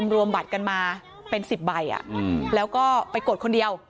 รวมบัตรกันมาเป็น๑๐ใบแล้วก็ไปกดคนเดียว